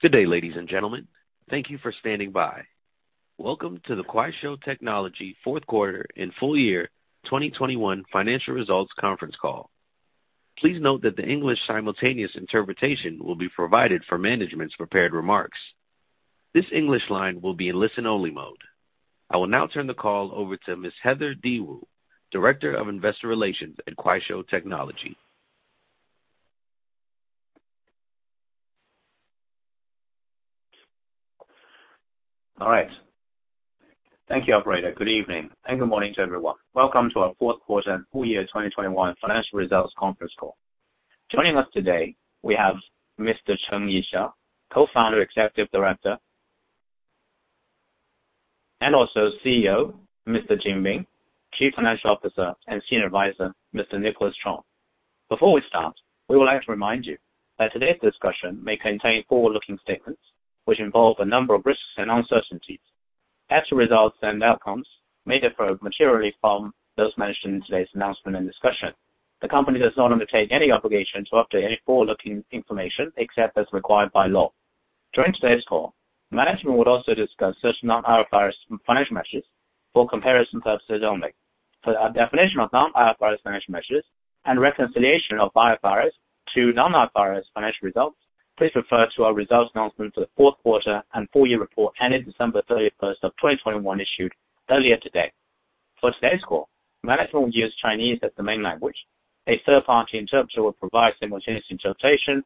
Good day, ladies and gentlemen. Thank you for standing by. Welcome to the Kuaishou Technology fourth quarter and full year 2021 financial results conference call. Please note that the English simultaneous interpretation will be provided for management's prepared remarks. This English line will be in listen-only mode. I will now turn the call over to Ms. Heather Diwu, Director of Investor Relations at Kuaishou Technology. All right. Thank you, operator. Good evening and good morning to everyone. Welcome to our fourth quarter and full year 2021 financial results conference call. Joining us today, we have Mr. Cheng Yixiao, Co-Founder, Executive Director and Chief Executive Officer; Mr. Jin Bing, Chief Financial Officer; and Senior Advisor, Mr. Nicholas Yik Kay Chong. Before we start, we would like to remind you that today's discussion may contain forward-looking statements, which involve a number of risks and uncertainties. Actual results and outcomes may differ materially from those mentioned in today's announcement and discussion. The company does not undertake any obligation to update any forward-looking information, except as required by law. During today's call, management will also discuss certain non-IFRS financial measures for comparison purposes only. For a definition of non-IFRS financial measures and reconciliation of IFRS to non-IFRS financial results, please refer to our results announcement for the fourth quarter and full year report ending December 31, 2021 issued earlier today. For today's call, management will use Chinese as the main language. A third-party interpreter will provide simultaneous interpretation,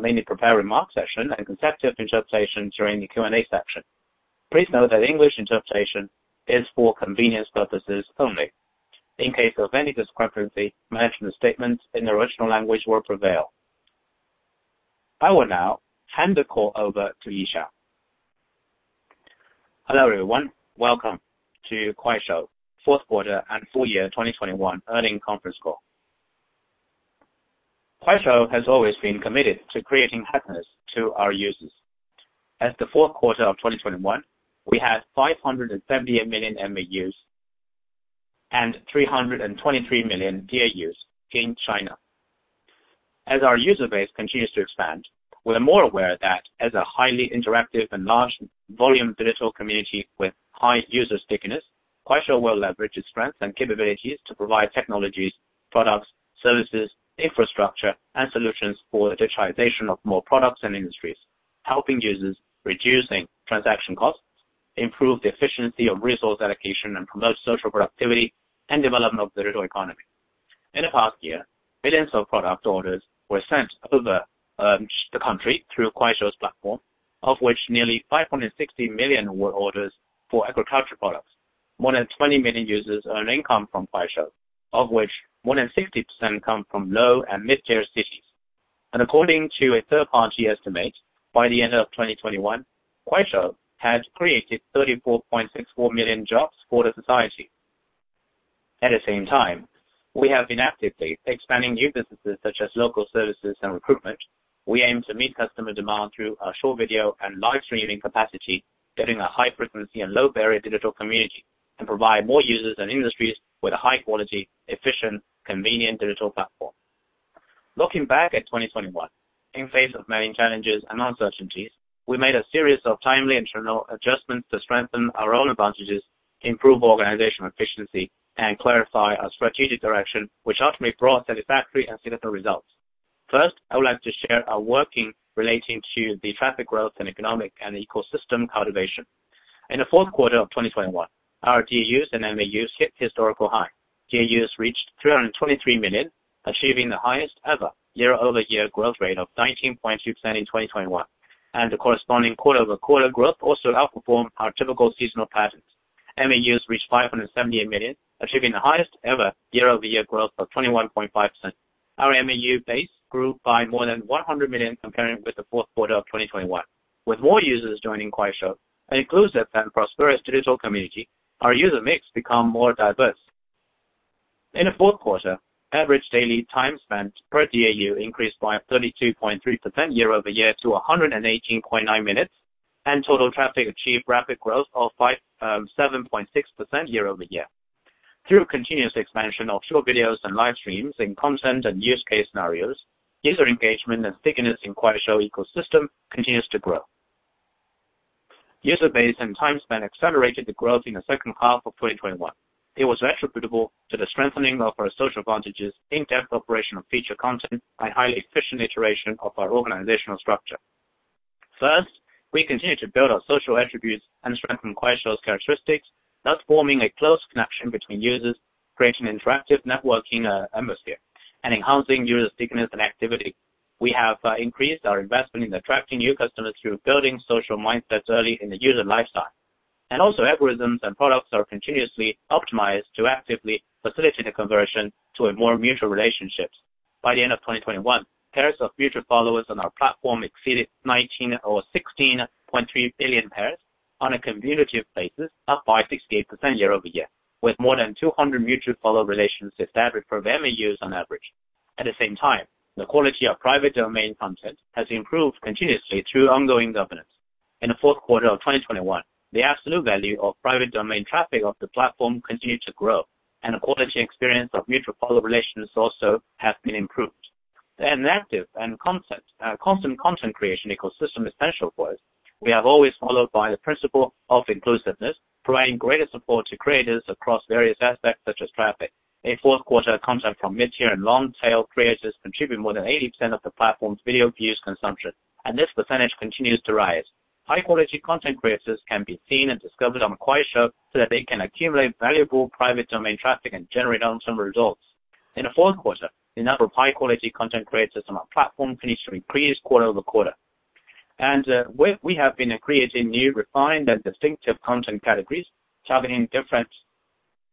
mainly prepared remarks section and consecutive interpretation during the Q&A section. Please note that English interpretation is for convenience purposes only. In case of any discrepancy, management statements in the original language will prevail. I will now hand the call over to Yixiao. Hello, everyone. Welcome to Kuaishou's fourth quarter and full year 2021 earnings conference call. Kuaishou has always been committed to creating happiness to our users. In the fourth quarter of 2021, we had 578 million MAUs and 323 million DAUs in China. As our user base continues to expand, we're more aware that as a highly interactive and large volume digital community with high user stickiness, Kuaishou will leverage its strengths and capabilities to provide technologies, products, services, infrastructure, and solutions for the digitization of more products and industries, helping users reducing transaction costs, improve the efficiency of resource allocation, and promote social productivity and development of digital economy. In the past year, billions of product orders were sent over the country through Kuaishou's platform, of which nearly 560 million were orders for agriculture products. More than 20 million users earn income from Kuaishou, of which more than 60% come from low and mid-tier cities. According to a third-party estimate, by the end of 2021, Kuaishou had created 34.64 million jobs for the society. At the same time, we have been actively expanding new businesses such as local services and recruitment. We aim to meet customer demand through our short video and live streaming capacity, getting a high frequency and low barrier digital community, and provide more users and industries with a high quality, efficient, convenient digital platform. Looking back at 2021, in the face of many challenges and uncertainties, we made a series of timely internal adjustments to strengthen our own advantages, improve organizational efficiency, and clarify our strategic direction, which ultimately brought satisfactory and significant results. First, I would like to share our work relating to the traffic growth and e-commerce and ecosystem cultivation. In the fourth quarter of 2021, our DAUs and MAUs hit a historical high. DAUs reached 323 million, achieving the highest ever year-over-year growth rate of 19.2% in 2021, and the corresponding quarter-over-quarter growth also outperformed our typical seasonal patterns. MAUs reached 578 million, achieving the highest ever year-over-year growth of 21.5%. Our MAU base grew by more than 100 million comparing with the fourth quarter of 2021. With more users joining Kuaishou, an inclusive and prosperous digital community, our user mix become more diverse. In the fourth quarter, average daily time spent per DAU increased by 32.3% year-over-year to 118.9 minutes, and total traffic achieved rapid growth of 57.6% year-over-year. Through continuous expansion of short videos and live streams in content and use case scenarios, user engagement and stickiness in Kuaishou ecosystem continues to grow. User base and time spent accelerated the growth in the second half of 2021. It was attributable to the strengthening of our social advantages, in-depth operational feature content, and highly efficient iteration of our organizational structure. First, we continued to build our social attributes and strengthen Kuaishou's characteristics, thus forming a close connection between users, creating an interactive networking, atmosphere and enhancing user stickiness and activity. We have increased our investment in attracting new customers through building social mindsets early in the user lifestyle. Also algorithms and products are continuously optimized to actively facilitate a conversion to a more mutual relationships. By the end of 2021, pairs of mutual followers on our platform exceeded 19.6 billion pairs on a cumulative basis, up by 68% year-over-year, with more than 200 mutual follow relations established per MAUs on average. At the same time, the quality of private domain content has improved continuously through ongoing governance. In the fourth quarter of 2021, the absolute value of private domain traffic of the platform continued to grow, and the quality experience of mutual follow relations also have been improved. The interactive and consistent content creation ecosystem essential for us. We have always abided by the principle of inclusiveness, providing greater support to creators across various aspects such as traffic. In the fourth quarter, content from mid-tier and long-tail creators contribute more than 80% of the platform's video views consumption, and this percentage continues to rise. High-quality content creators can be seen and discovered on Kuaishou so that they can accumulate valuable private domain traffic and generate on some results. In the fourth quarter, the number of high-quality content creators on our platform continued to increase quarter over quarter. We have been creating new refined and distinctive content categories, targeting different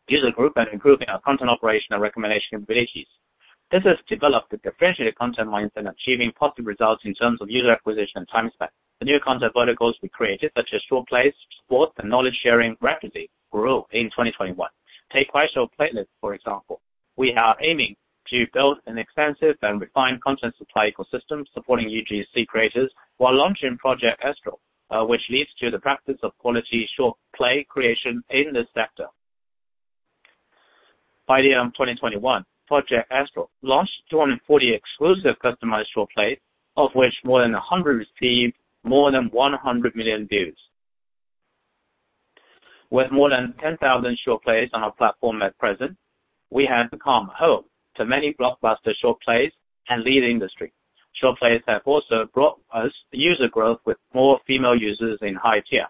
user group and improving our content operation and recommendation abilities. This has developed a differentiated content mindset, achieving positive results in terms of user acquisition and time spent. The new content verticals we created, such as short plays, sports, and knowledge sharing, rapidly grew in 2021. Take Kuaishou Playlet, for example. We are aiming to build an expansive and refined content supply ecosystem supporting UGC creators while launching Project Astral, which leads to the practice of quality short play creation in this sector. By the end of 2021, Project Astral launched 240 exclusive customized short plays, of which more than 100 received more than 100 million views. With more than 10,000 short plays on our platform at present, we have become home to many blockbuster short plays and lead the industry. Short plays have also brought us user growth with more female users in high tier.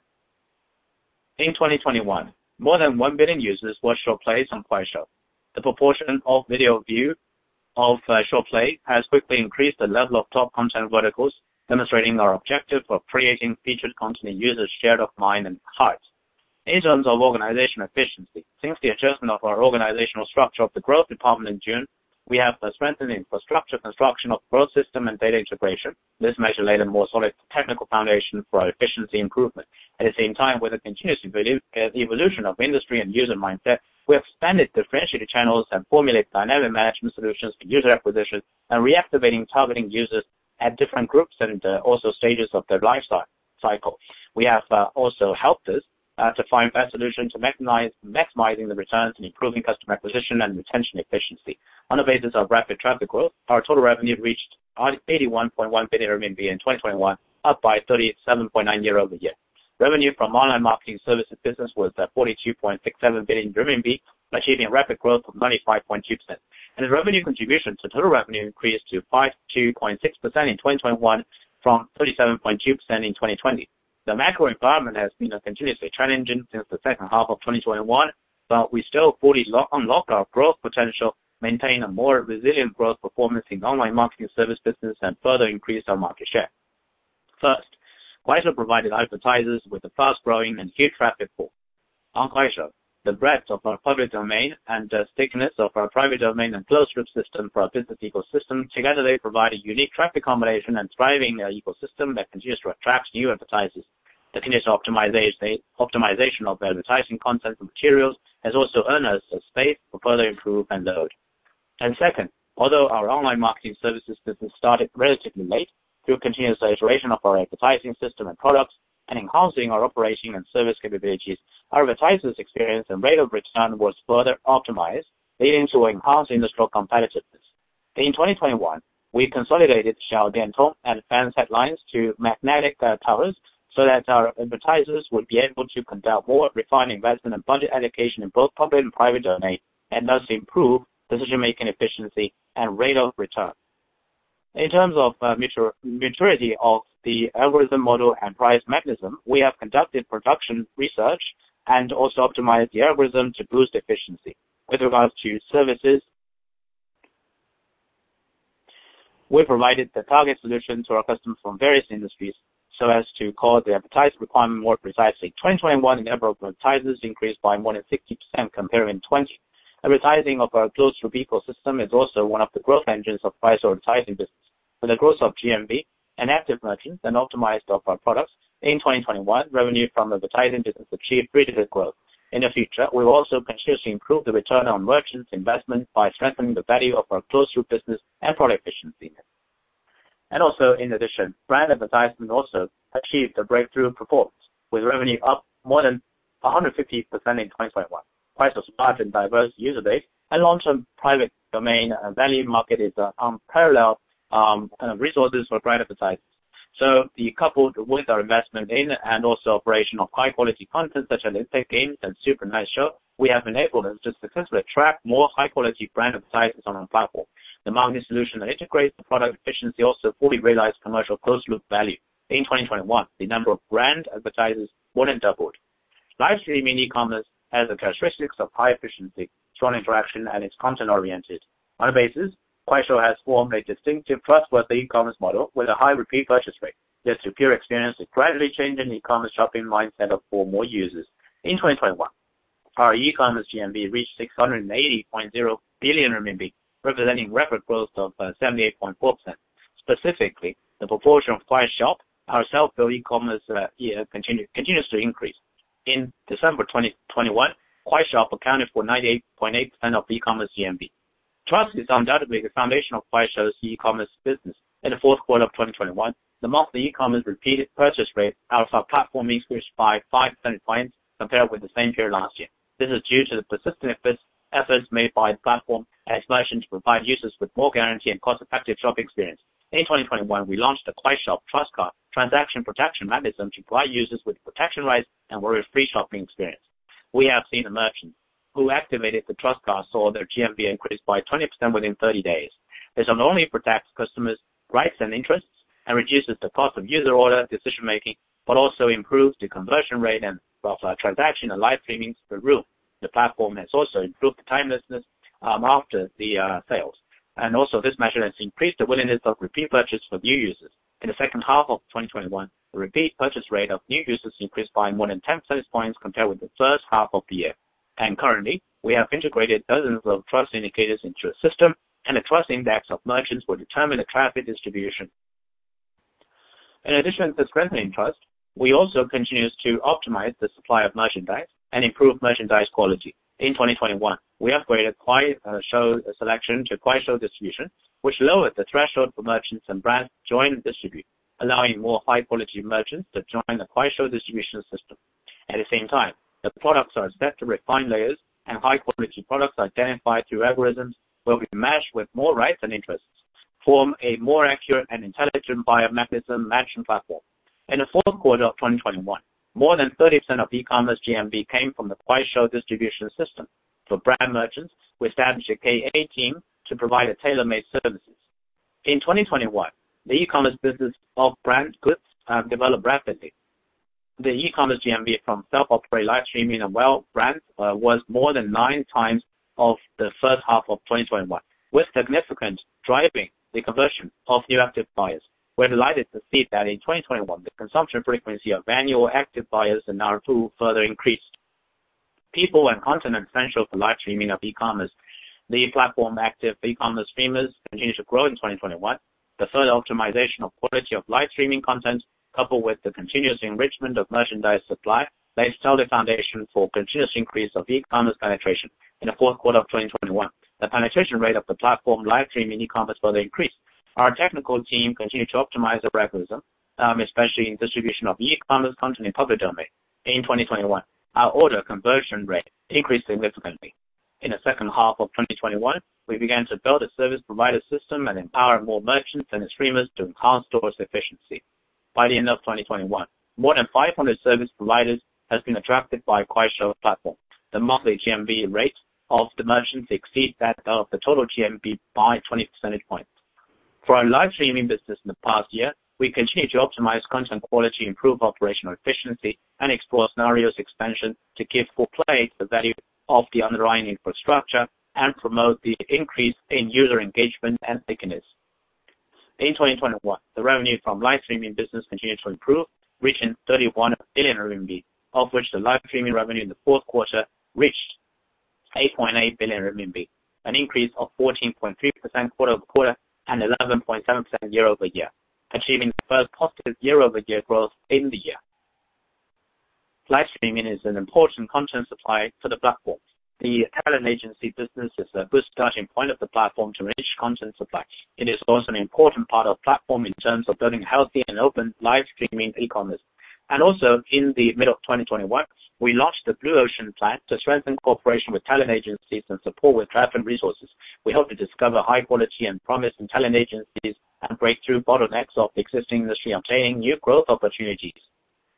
In 2021, more than one billion users watched short plays on Kuaishou. The proportion of video view of short play has quickly increased the level of top content verticals, demonstrating our objective for creating featured content in users' share of mind and heart. In terms of organization efficiency, since the adjustment of our organizational structure of the growth department in June, we have strengthened the infrastructure construction of growth system and data integration. This measure laid a more solid technical foundation for our efficiency improvement. At the same time, with the continuous evolution of industry and user mindset, we expanded differentiated channels and formulate dynamic management solutions for user acquisition and reactivating targeting users at different groups and also stages of their life cycle. We have also helped us to find best solution to maximizing the returns and improving customer acquisition and retention efficiency. On the basis of rapid traffic growth, our total revenue reached 81.1 billion RMB in 2021, up 37.9% year-over-year. Revenue from online marketing services business was 42.67 billion RMB, achieving a rapid growth of 95.2%. The revenue contribution to total revenue increased to 52.6% in 2021 from 37.2% in 2020. The macro environment has been continuously challenging since the second half of 2021, but we still fully unlock our growth potential, maintain a more resilient growth performance in online marketing services business and further increase our market share. First, Kuaishou provided advertisers with a fast-growing and huge traffic pool. On Kuaishou, the breadth of our public domain and the thickness of our private domain and closed loop system for our business ecosystem, together, they provide a unique traffic combination and thriving ecosystem that continues to attract new advertisers. The continuous optimization of advertising content and materials has also earned us a space to further improve and load. Second, although our online marketing services business started relatively late, through continuous iteration of our advertising system and products and enhancing our operation and service capabilities, our advertisers experience and rate of return was further optimized, leading to enhanced industrial competitiveness. In 2021, we consolidated Xiao Dian Tong and Fans Toutiao to Magnetic Engine so that our advertisers would be able to conduct more refined investment and budget allocation in both public and private domain, and thus improve decision-making efficiency and rate of return. In terms of maturity of the algorithm model and price mechanism, we have conducted product research and also optimized the algorithm to boost efficiency. With regards to services, we provided the target solution to our customers from various industries so as to cater to the advertising requirement more precisely. In 2021, the number of advertisers increased by more than 60% compared to 2020. Advertising of our closed-loop ecosystem is also one of the growth engines of Kuaishou advertising business. With the growth of GMV and active merchants and optimization of our products, in 2021, revenue from advertising business achieved three-digit growth. In the future, we will also continuously improve the return on merchants investment by strengthening the value of our closed loop business and product efficiency. Also in addition, brand advertisement also achieved a breakthrough performance, with revenue up more than 150% in 2021. Kuaishou's large and diverse user base and long-term private domain value market is unparalleled resources for brand advertisers. Coupled with our investment in and also operation of high-quality content such as Impact Games and Super Night Show, we have enabled us to successfully attract more high-quality brand advertisers on our platform. The marketing solution that integrates the product efficiency also fully realized commercial closed loop value. In 2021, the number of brand advertisers more than doubled. Live streaming e-commerce has the characteristics of high efficiency, strong interaction, and its content-oriented. On the basis, Kuaishou has formed a distinctive, trustworthy e-commerce model with a high repeat purchase rate. Their superior experience is gradually changing the e-commerce shopping mindset of far more users. In 2021, our e-commerce GMV reached 680.0 billion RMB, representing rapid growth of 78.4%. Specifically, the proportion of Kwai Shop, our self-built e-commerce, continues to increase. In December 2021, Kwai Shop accounted for 98.8% of e-commerce GMV. Trust is undoubtedly the foundation of Kuaishou's e-commerce business. In the fourth quarter of 2021, the monthly e-commerce repeated purchase rate of our platform increased by five percentage points compared with the same period last year. This is due to the persistent efforts made by the platform as merchants provide users with more guarantee and cost-effective shopping experience. In 2021, we launched the Kwai Shop Trust Card transaction protection mechanism to provide users with protection rights and worry-free shopping experience. We have seen a merchant who activated the Trust Card saw their GMV increase by 20% within 30 days. This not only protects customers' rights and interests and reduces the cost of user order decision-making, but also improves the conversion rate and throughput of our transactions and live streaming. The platform has also improved the timeliness after sales. This measure has also increased the willingness of repeat purchase for new users. In the second half of 2021, the repeat purchase rate of new users increased by more than 10 percentage points compared with the first half of the year. Currently, we have integrated dozens of trust indicators into a system, and a trust index of merchants will determine the traffic distribution. In addition to strengthening trust, we also continue to optimize the supply of merchandise and improve merchandise quality. In 2021, we upgraded Kuaishou Selection to Kuaishou Distribution, which lowered the threshold for merchants and brands to join and distribute, allowing more high-quality merchants to join the Kuaishou Distribution system. At the same time, the products are set to refine layers, and high quality products identified through algorithms will be matched with more rights and interests, form a more accurate and intelligent buyer mechanism matching platform. In the fourth quarter of 2021, more than 30% of e-commerce GMV came from the Kuaishou Distribution system. For brand merchants, we established a KA team to provide tailor-made services. In 2021, the e-commerce business of brand goods developed rapidly. The e-commerce GMV from self-operated live streaming and Kwai Brand was more than nine times of the first half of 2021, significantly driving the conversion of new active buyers. We're delighted to see that in 2021, the consumption frequency of annual active buyers in R2 further increased. People and content are essential for live streaming of e-commerce. The platform active e-commerce streamers continued to grow in 2021. The further optimization of quality of live streaming content, coupled with the continuous enrichment of merchandise supply, lays a solid foundation for continuous increase of e-commerce penetration. In the fourth quarter of 2021, the penetration rate of the platform live streaming e-commerce further increased. Our technical team continued to optimize the algorithm, especially in distribution of e-commerce content in public domain. In 2021, our order conversion rate increased significantly. In the second half of 2021, we began to build a service provider system and empower more merchants and streamers to enhance stores efficiency. By the end of 2021, more than 500 service providers has been attracted by Kuaishou platform. The monthly GMV rate of the merchants exceed that of the total GMV by 20 percentage points. For our live streaming business in the past year, we continue to optimize content quality, improve operational efficiency, and explore scenarios expansion to give full play to the value of the underlying infrastructure and promote the increase in user engagement and stickiness. In 2021, the revenue from live streaming business continued to improve, reaching 31 billion RMB, of which the live streaming revenue in the fourth quarter reached 8.8 billion RMB, an increase of 14.3% quarter-over-quarter and 11.7% year-over-year, achieving the first positive year-over-year growth in the year. Live streaming is an important content supply for the platform. The talent agency business is a bootstrapping point of the platform to reach content supply. It is also an important part of platform in terms of building healthy and open live streaming e-commerce. Also in the middle of 2021, we launched the Blue Ocean Plan to strengthen cooperation with talent agencies and support with traffic resources. We hope to discover high quality and promising in talent agencies and break through bottlenecks of existing industry, obtaining new growth opportunities.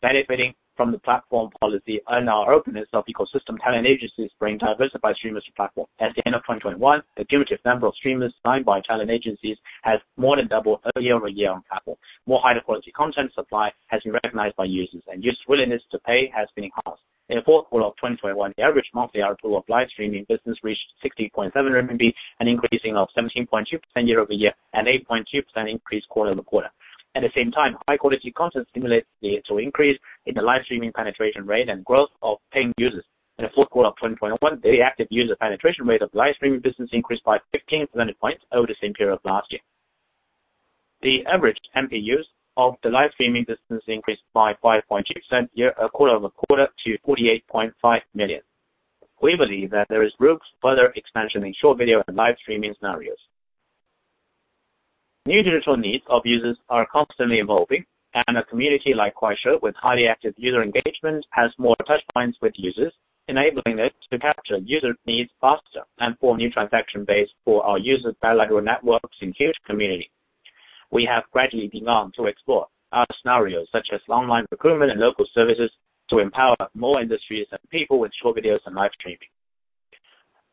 Benefiting from the platform policy and our openness of ecosystem, talent agencies bring diversified streamers to platform. At the end of 2021, the cumulative number of streamers signed by talent agencies has more than doubled year-over-year on couple. More high-quality content supply has been recognized by users, and users' willingness to pay has been enhanced. In the fourth quarter of 2021, the average monthly ARPU of live streaming business reached 60.7 RMB, an increase of 17.2% year-over-year, and 8.2% increase quarter-over-quarter. At the same time, high-quality content stimulates the total increase in the live streaming penetration rate and growth of paying users. In the fourth quarter of 2021, the active user penetration rate of live streaming business increased by 15 percentage points over the same period last year. The average MPU of the live streaming business increased by 5.2% quarter-over-quarter to 48.5 million. We believe that there is room for further expansion in short video and live streaming scenarios. New digital needs of users are constantly evolving, and a community like Kuaishou with highly active user engagement has more touch points with users, enabling it to capture user needs faster and form new transaction base for our users bilateral networks in huge community. We have gradually begun to explore our scenarios such as online procurement and local services to empower more industries and people with short videos and live streaming.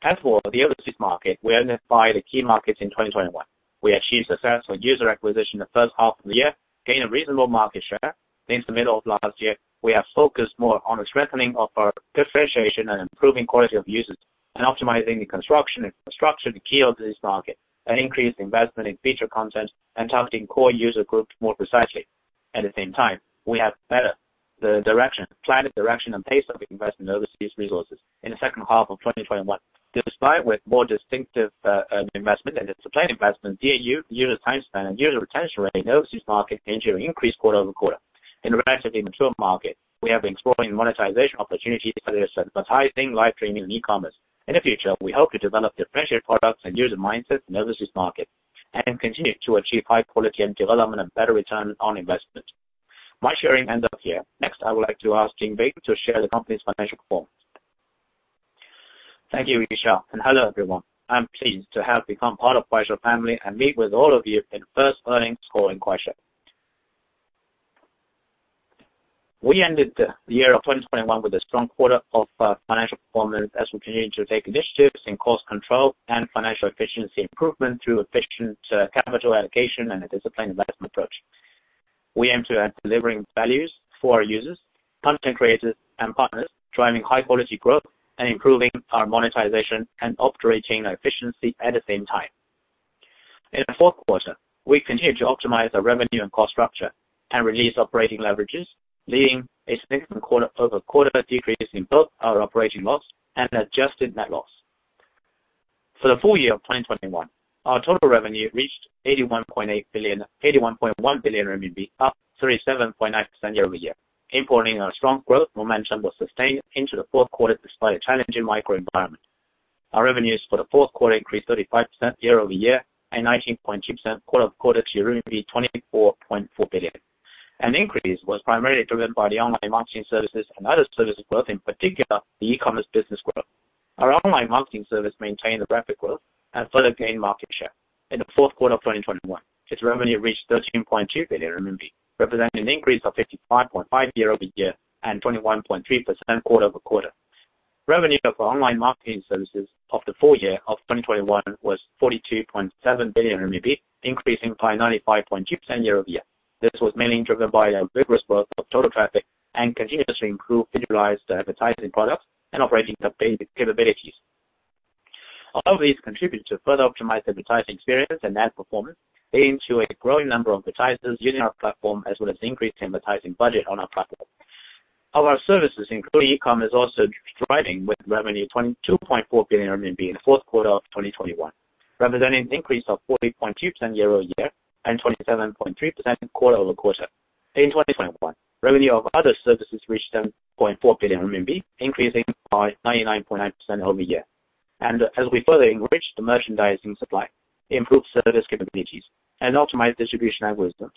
As for the overseas market, we identified the key markets in 2021. We achieved successful user acquisition in the first half of the year, gained a reasonable market share. Since the middle of last year, we have focused more on the strengthening of our differentiation and improving quality of users, and optimizing the construction and structure to key out this market, and increase investment in featured content and targeting core user groups more precisely. At the same time, we have bettered the direction, planned direction and pace of investment overseas resources in the second half of 2021. Despite with more distinctive investment and the supply investment, the user time spent and user retention rate in overseas market continue to increase quarter-over-quarter. In a relatively mature market, we have been exploring monetization opportunities such as advertising, live streaming, and e-commerce. In the future, we hope to develop differentiated products and user mindsets in overseas market, and continue to achieve high-quality development and better return on investment. My sharing ends up here. Next, I would like to ask Jin Bing to share the company's financial performance. Thank you, Richard. Hello, everyone. I'm pleased to have become part of Kuaishou family and meet with all of you in first earnings call in Kuaishou. We ended the year of 2021 with a strong quarter of financial performance as we continue to take initiatives in cost control and financial efficiency improvement through efficient capital allocation and a disciplined investment approach. We aim to add delivering values for our users, content creators and partners, driving high quality growth and improving our monetization and operating efficiency at the same time. In the fourth quarter, we continued to optimize our revenue and cost structure and realize operating leverages, leading to a significant quarter-over-quarter decrease in both our operating loss and adjusted net loss. For the full year of 2021, our total revenue reached 81.8 billion, 81.1 billion RMB, up 37.9% year-over-year, implying our strong growth momentum was sustained into the fourth quarter despite a challenging macro environment. Our revenues for the fourth quarter increased 35% year-over-year and 19.2% quarter-over-quarter to RMB 24.4 billion. An increase was primarily driven by the online marketing services and other services growth, in particular, the e-commerce business growth. Our online marketing service maintained the rapid growth and further gained market share. In the fourth quarter of 2021, its revenue reached 13.2 billion RMB, representing an increase of 55.5% year-over-year and 21.3% quarter-over-quarter. Revenue for Online Marketing Services for the full year of 2021 was 42.7 billion RMB, increasing by 95.2% year-over-year. This was mainly driven by vigorous growth of total traffic and continuously improved visualized advertising products and operational updated capabilities. All of these contributed to further optimize advertising experience and ad performance attracting a growing number of advertisers using our platform, as well as increased advertising budget on our platform. Our services, including e-commerce, also thrived with revenue of 22.4 billion RMB in the fourth quarter of 2021, representing an increase of 40.2% year-over-year and 27.3% quarter-over-quarter. In 2021, revenue of Other Services reached 10.4 billion RMB, increasing by 99.9% year-over-year. As we further enrich the merchandising supply, improve service capabilities, and optimize distribution algorithms,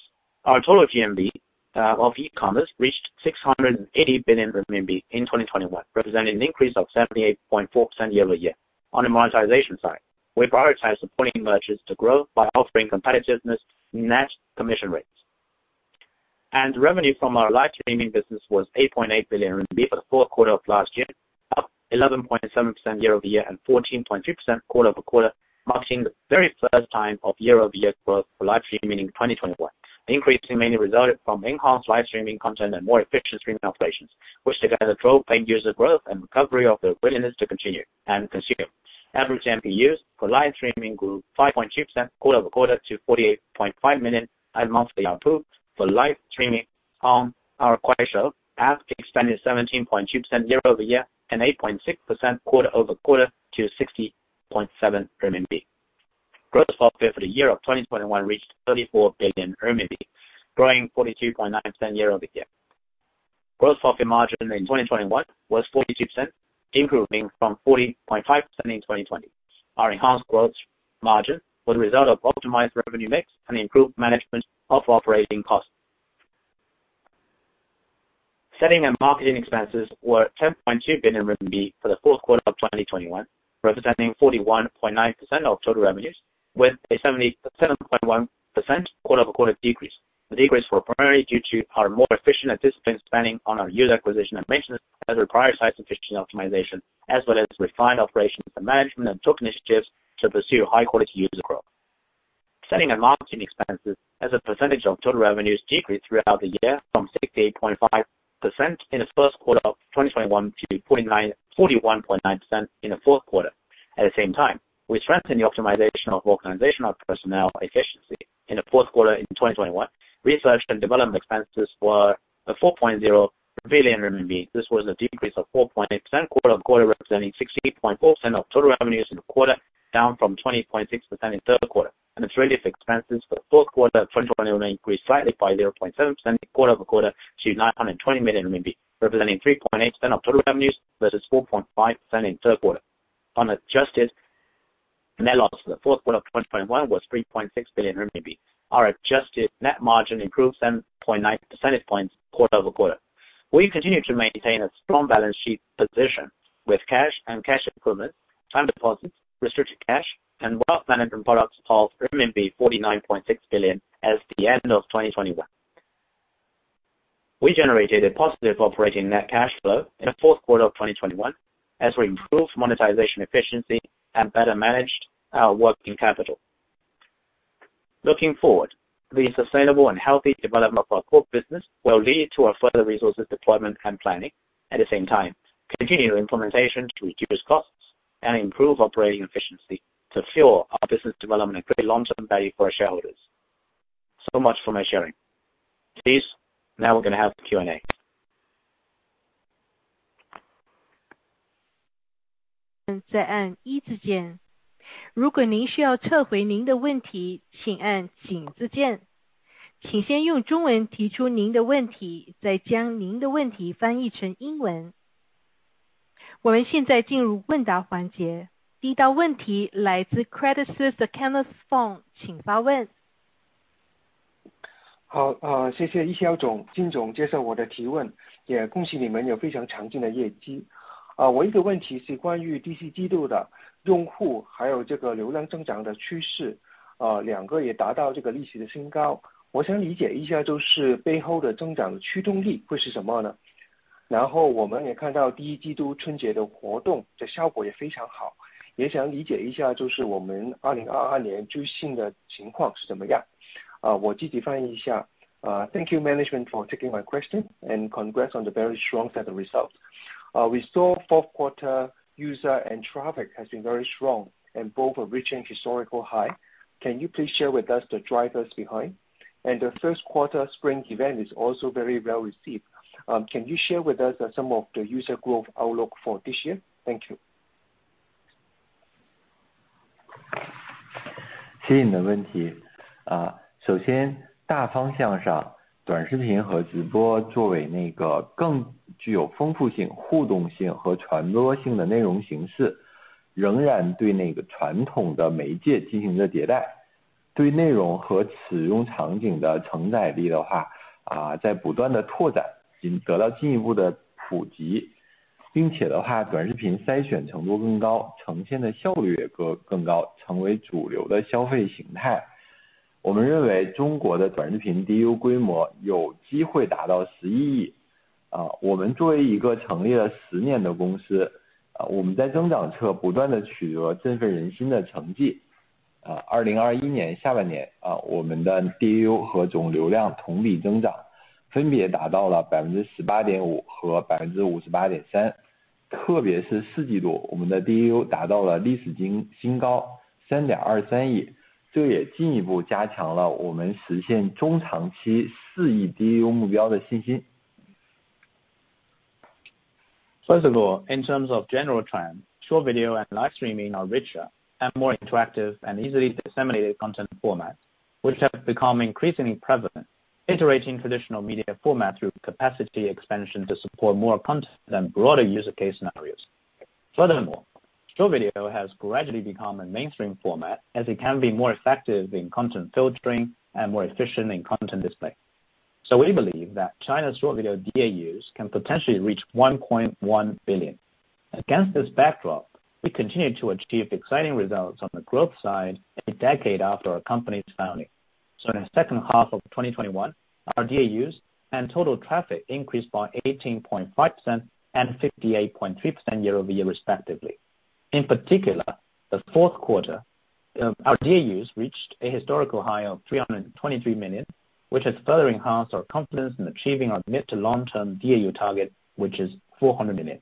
our total GMV of e-commerce reached 680 billion RMB in 2021, representing an increase of 78.4% year-over-year. On the monetization side, we prioritize supporting merchants to grow by offering competitive net commission rates. Revenue from our live streaming business was 8.8 billion RMB for the fourth quarter of last year, up 11.7% year-over-year and 14.2% quarter-over-quarter, marking the very first time of year-over-year growth for live streaming in 2021. The increase mainly resulted from enhanced live streaming content and more efficient streaming operations, which together drove paying user growth and recovery of their willingness to continue and consume. Average MPUs for live streaming grew 5.2% quarter-over-quarter to 48.5 million, and monthly RPU for live streaming on our Kuaishou App expanded 17.2% year-over-year and 8.6% quarter-over-quarter to 60.7 RMB. Gross profit for the year of 2021 reached 34 billion RMB, growing 42.9% year-over-year. Gross profit margin in 2021 was 42%, improving from 40.5% in 2020. Our enhanced gross margin was a result of optimized revenue mix and improved management of operating costs. Selling and marketing expenses were 10.2 billion RMB for the fourth quarter of 2021, representing 41.9% of total revenues with a 77.1% quarter-over-quarter decrease. The decrease were primarily due to our more efficient and disciplined spending on our user acquisition and maintenance as we prioritize efficiency optimization, as well as refined operations and management and took initiatives to pursue high quality user growth. Selling and marketing expenses as a percentage of total revenues decreased throughout the year from 68.5% in the first quarter of 2021 to 41.9% In the fourth quarter. At the same time, we strengthened the optimization of organizational personnel efficiency. In the fourth quarter of 2021, research and development expenses were 4.0 billion RMB. This was a decrease of 4.8% quarter-over-quarter, representing 16.4% of total revenues in the quarter, down from 20.6% in third quarter. Its related expenses for the fourth quarter of 2021 increased slightly by 0.7% quarter-over-quarter to 920 million RMB, representing 3.8% of total revenues versus 4.5% in third quarter. Our adjusted net loss for the fourth quarter of 2021 was 3.6 billion RMB. Our adjusted net margin improved 7.9 percentage points quarter-over-quarter. We continue to maintain a strong balance sheet position with cash and cash equivalents, time deposits, restricted cash and wealth management products of RMB 49.6 billion as of the end of 2021. We generated a positive operating net cash flow in the fourth quarter of 2021 as we improved monetization efficiency and better managed our working capital. Looking forward, the sustainable and healthy development of our core business will lead to a further resource deployment and planning, at the same time, continue implementation to reduce costs and improve operating efficiency to fuel our business development and create long-term value for our shareholders. So much for my sharing. Please, now we're gonna have Q&A. 再按一字键。如果您需要撤回您的问题，请按井字键。请先用中文提出您的问题，再将您的问题翻译成英文。我们现在进入问答环节。第一道问题来自Credit Suisse的Kenneth Fong，请发问。Thank you management for taking my question, and congrats on the very strong set of results. We saw fourth quarter user and traffic has been very strong, and both are reaching historical high. Can you please share with us the drivers behind? The first quarter spring event is also very well received. Can you share with us some of the user growth outlook for this year? Thank you. First of all, in terms of general trend, short video and live streaming are richer and more interactive and easily disseminated content formats, which have become increasingly prevalent, iterating traditional media format through capacity expansion to support more content and broader use case scenarios. Furthermore, short video has gradually become a mainstream format as it can be more effective in content filtering and more efficient in content display. We believe that China's short video DAUs can potentially reach 1.1 billion. Against this backdrop, we continue to achieve exciting results on the growth side a decade after our company's founding. In the second half of 2021, our DAUs and total traffic increased by 18.5% and 58.3% year-over-year respectively. In particular, the fourth quarter, our DAUs reached a historical high of 323 million, which has further enhanced our confidence in achieving our mid- to long-term DAU target, which is 400 million.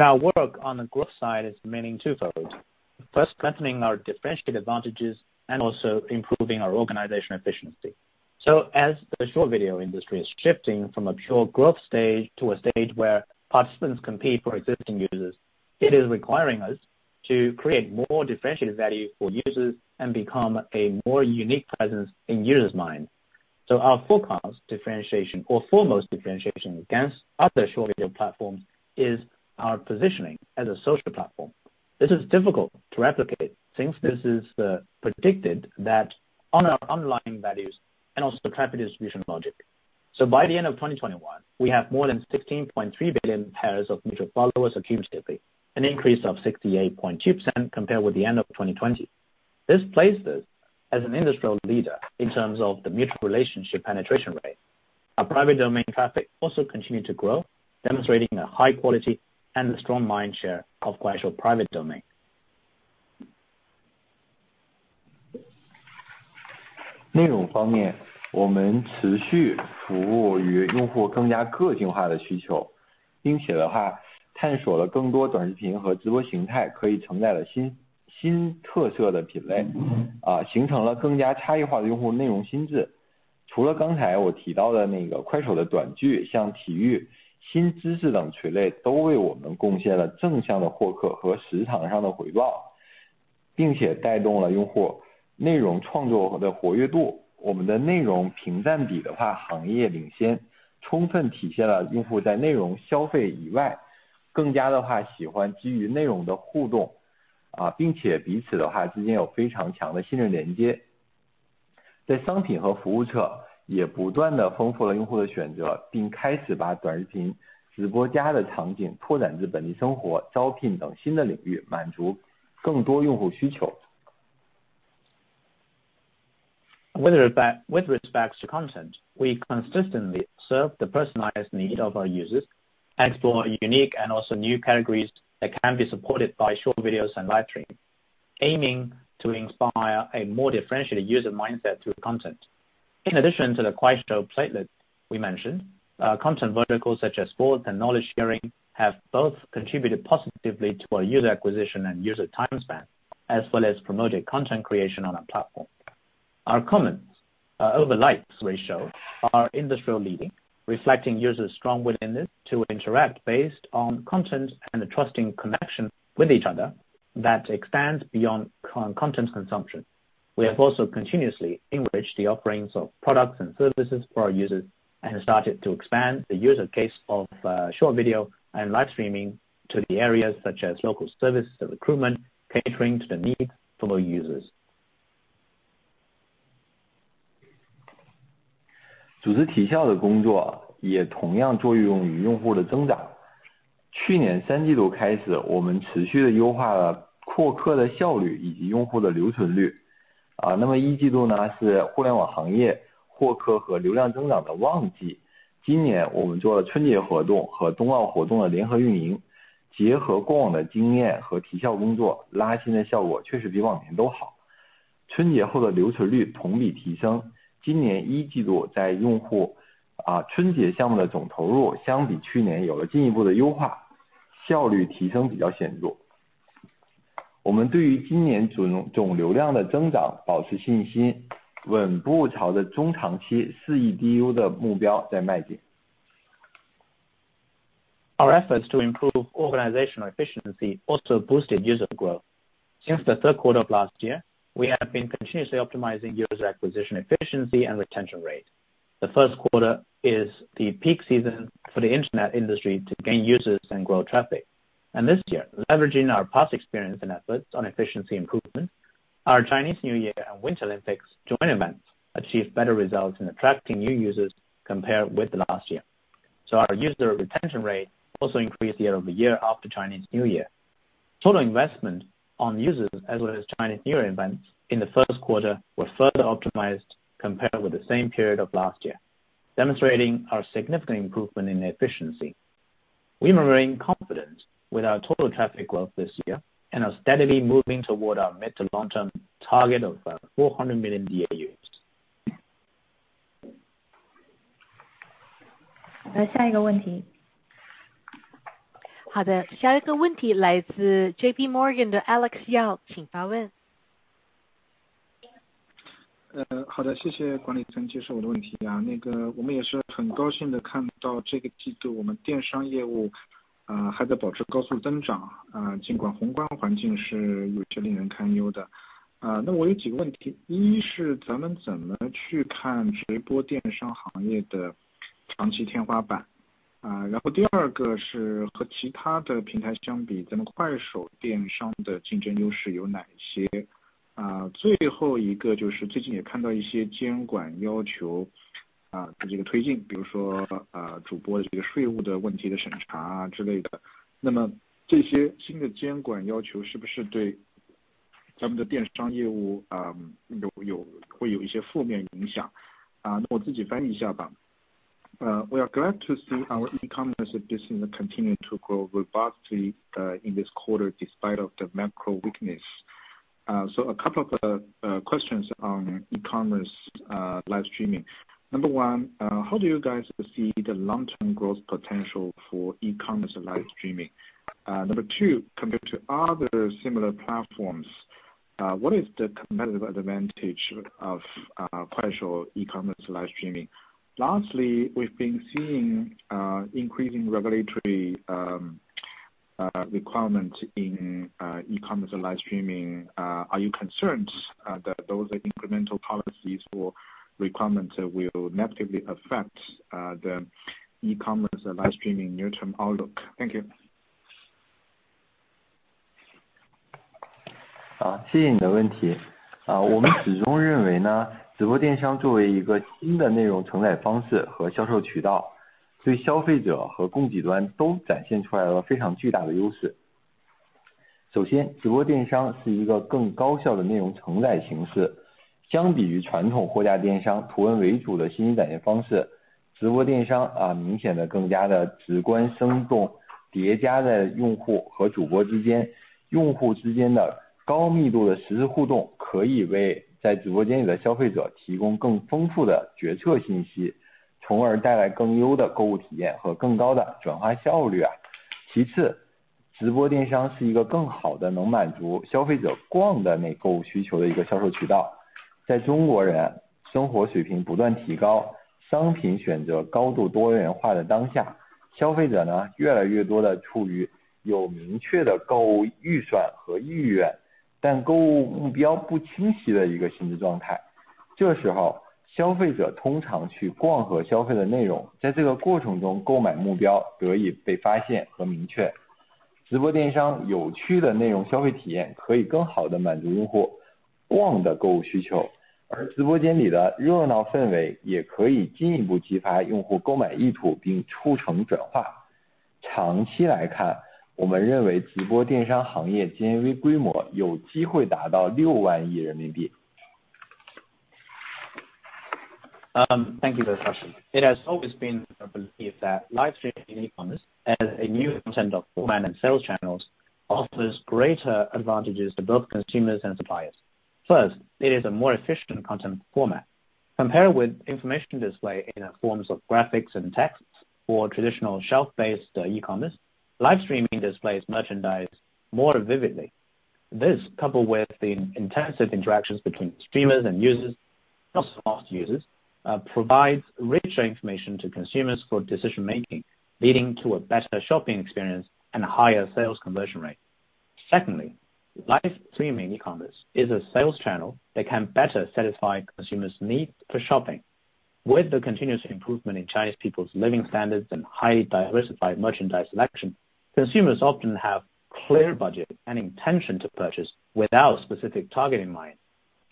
Our work on the growth side is mainly twofold: first, strengthening our differentiated advantages, and also improving our organizational efficiency. As the short video industry is shifting from a pure growth stage to a stage where participants compete for existing users, it is requiring us to create more differentiated value for users and become a more unique presence in users' minds. Our foremost differentiation against other short video platforms is our positioning as a social platform. This is difficult to replicate since this is predicated upon our unique values and also traffic distribution logic. By the end of 2021, we have more than 16.3 billion pairs of mutual followers accumulatively, an increase of 68.2% compared with the end of 2020. This places us as an industry leader in terms of the mutual relationship penetration rate. Our private domain traffic also continued to grow, demonstrating the high quality and strong mind share of Kuaishou private domain. With respect to content, we consistently serve the personalized needs of our users. We explore unique and also new categories that can be supported by short videos and live streaming, aiming to inspire a more differentiated user mindset through content. In addition to the Kuaishou Playlet we mentioned, content verticals such as sports and knowledge sharing have both contributed positively to our user acquisition and user time spent, as well as promoted content creation on our platform. Our comments over likes ratio is industry leading, reflecting users' strong willingness to interact based on content and the trusting connection with each other that expands beyond content consumption. We have also continuously enriched the offerings of products and services for our users, and have started to expand the use case of short video and live streaming to the areas such as local services and recruitment, catering to the needs for more users. 组织高效的工作也同样作用于用户的增长。去年三季度开始，我们持续地优化了获客的效率以及用户的留存率。那么一季度呢，是互联网行业获客和流量增长的旺季。今年我们做了春节活动和冬奥活动的联合运营，结合过往的经验和提效工作，拉新的效果确实比往年都好。春节后的留存率同比提升。今年一季度，在用户春节项目的总投入相比去年有了进一步的优化，效率提升比较显著。我们对于今年总流量的增长保持信心，稳步朝着中长期四亿 DAU 的目标在迈进。Our efforts to improve organizational efficiency also boosted user growth. Since the third quarter of last year, we have been continuously optimizing user acquisition, efficiency and retention rate. The first quarter is the peak season for the Internet industry to gain users and grow traffic. This year, leveraging our past experience and efforts on efficiency improvement, our Chinese New Year and Winter Olympics joint events achieve better results in attracting new users compared with last year. Our user retention rate also increased year-over-year after Chinese New Year. Total investment on users as well as Chinese New Year events in the first quarter were further optimized compared with the same period of last year, demonstrating our significant improvement in efficiency. We remain confident with our total traffic growth this year and are steadily moving toward our mid-to-long term target of 400 million DAUs. 来下一个问题。好的，下一个问题来自JPMorgan的Alex Yao，请发问。We are glad to see our e-commerce business continue to grow robustly in this quarter despite of the macro weakness. A couple of questions on e-commerce live streaming. Number one, how do you guys see the long term growth potential for e-commerce live streaming? Number two, compared to other similar platforms, what is the competitive advantage of Kuaishou e-commerce live streaming? Lastly, we've been seeing increasing regulatory requirements in e-commerce live streaming. Are you concerned that those incremental policies or requirements will negatively affect the e-commerce live streaming near-term outlook? Thank you. 好，谢谢你的问题。我们始终认为呢，直播电商作为一个新的内容承载方式和销售渠道，对消费者和供给端都展现出来了非常巨大的优势。首先，直播电商是一个更高效的内容承载形式。相比于传统货架电商图文为主的信息展现方式，直播电商明显地更加的直观生动，叠加在用户和主播之间、用户之间的高密度的实时互动，可以为在直播间里的消费者提供更丰富的决策信息，从而带来更优的购物体验和更高的转化效率。其次，直播电商是一个更好的能满足消费者逛的美购物需求的一个销售渠道。在中国人生活水平不断提高、商品选择高度多元化的当下，消费者越来越多地处于有明确的购物预算和意愿，但购物目标不清晰的一个心智状态。这时候消费者通常去逛和消费的内容，在这个过程中购买目标得以被发现和明确。直播电商有趣的内容消费体验可以更好地满足用户逛的购物需求，而直播间里的热闹氛围也可以进一步激发用户购买意图并促成转化。长期来看，我们认为直播电商行业GMV规模有机会达到六万亿人民币。Thank you. It has always been our belief that live streaming e-commerce as a new form of content for online sales channels offers greater advantages to both consumers and suppliers. First, it is a more efficient content format compared with information display in forms of graphics and text for traditional shelf-based e-commerce. Live streaming displays merchandise more vividly. This, coupled with the intensive interactions between streamers and users, provides richer information to consumers for decision making, leading to a better shopping experience and higher sales conversion rate. Secondly, live streaming e-commerce is a sales channel that can better satisfy consumers' need for shopping. With the continuous improvement in Chinese people's living standards and highly diversified merchandise selection, consumers often have clear budget and intention to purchase without specific target in mind.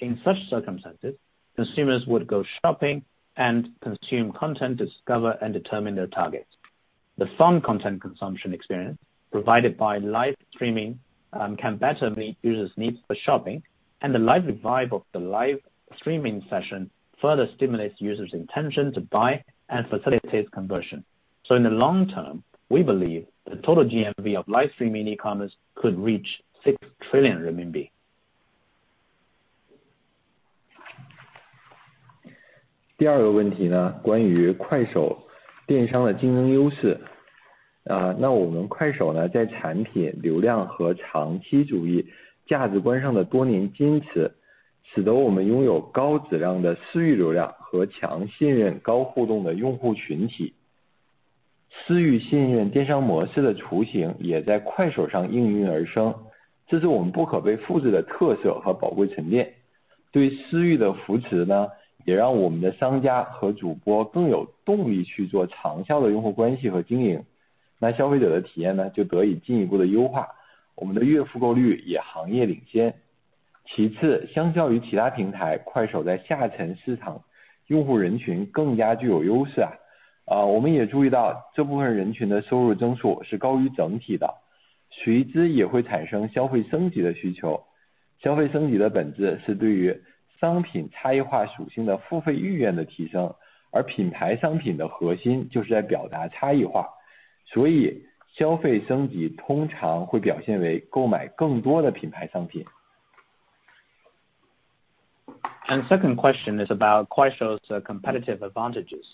In such circumstances, consumers would go shopping and consume content, discover and determine their targets. The fun content consumption experience provided by live streaming can better meet users' needs for shopping, and the lively vibe of the live streaming session further stimulates users' intention to buy and facilitates conversion. In the long term, we believe the total GMV of live streaming e-commerce could reach 6 trillion renminbi. 第二个问题呢，关于快手电商的竞争优势。那我们快手呢，在产品、流量和长期主义价值观上的多年坚持，使得我们拥有高质量的私域流量和强信任、高互动的用户群体。私域信任电商模式的雏形也在快手上应运而生，这是我们不可被复制的特色和宝贵沉淀。对私域的扶持呢，也让我们的商家和主播更有动力去做长效的用户关系和经营。那消费者的体验呢，就得以进一步的优化，我们的月复购率也行业领先。其次，相较于其他平台，快手在下沉市场用户人群更加具有优势。我们也注意到，这部分人群的收入增速是高于整体的，随之也会产生消费升级的需求。消费升级的本质是对于商品差异化属性的付费意愿的提升，而品牌商品的核心就是在表达差异化。所以消费升级通常会表现为购买更多的品牌商品。Second question is about Kuaishou's competitive advantages.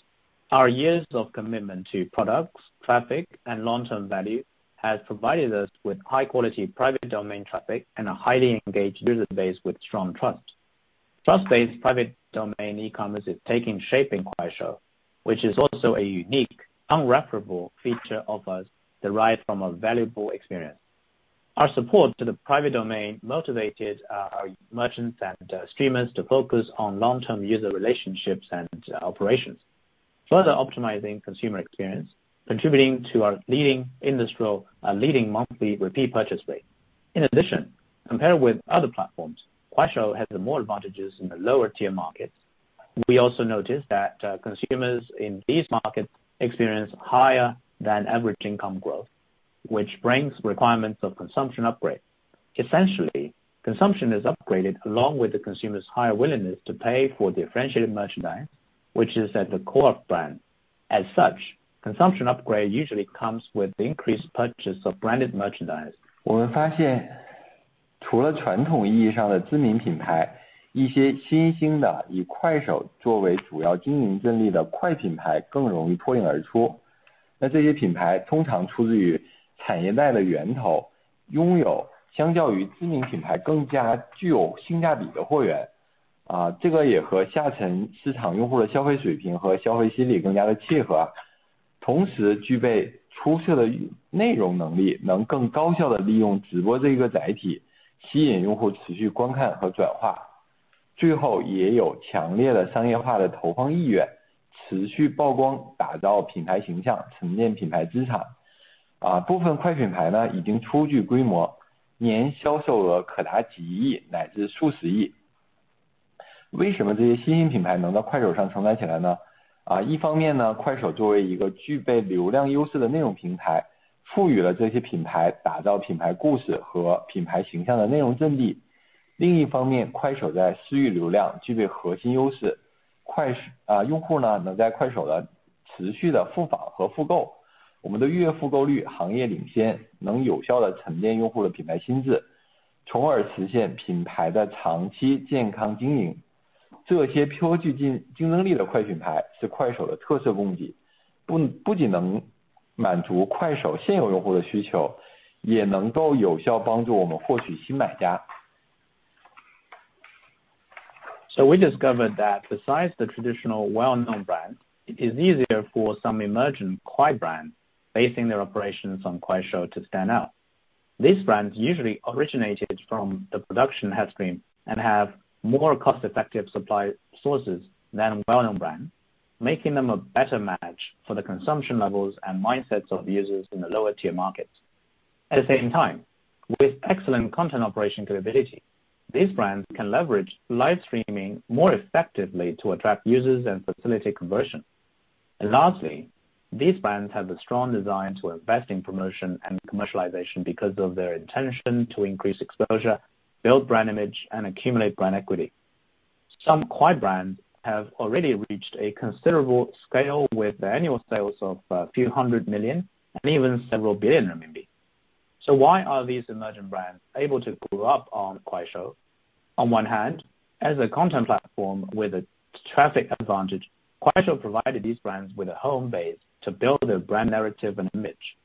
Our years of commitment to products, traffic, and long-term value has provided us with high quality private domain traffic and a highly engaged user base with strong trust. Trust-based private domain e-commerce is taking shape in Kuaishou, which is also a unique, unreplicable feature of us derived from a valuable experience. Our support to the private domain motivated our merchants and streamers to focus on long-term user relationships and operations, further optimizing consumer experience, contributing to our leading, industry-leading monthly repeat purchase rate. In addition, compared with other platforms, Kuaishou has more advantages in the lower-tier markets. We also noticed that consumers in these markets experience higher than average income growth, which brings requirements of consumption upgrade. Essentially, consumption is upgraded along with the consumers' higher willingness to pay for differentiated merchandise, which is at the core of brand. As such, consumption upgrade usually comes with increased purchase of branded merchandise. We discovered that besides the traditional well-known brands, it is easier for some emergent Kwai Brand basing their operations on Kuaishou to stand out. These brands usually originated from the production headstream and have more cost-effective supply sources than well-known brands, making them a better match for the consumption levels and mindsets of users in the lower tier markets. At the same time, with excellent content operation capability, these brands can leverage live streaming more effectively to attract users and facilitate conversion. Lastly, these brands have a strong desire to invest in promotion and commercialization because of their intention to increase exposure, build brand image, and accumulate brand equity. Some Kwai brands have already reached a considerable scale with annual sales of a few hundred million and even several billion Chinese Yuan. Why are these emerging brands able to grow up on Kuaishou? On one hand, as a content platform with a traffic advantage, Kuaishou provided these brands with a home base to build their brand narrative and image.